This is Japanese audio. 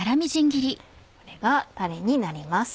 これがタレになります。